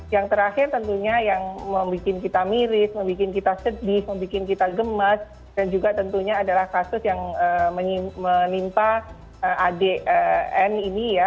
yang terakhir tentunya yang membuat kita miris membuat kita sedih membuat kita gemes dan juga tentunya adalah kasus yang menimpa adik n ini ya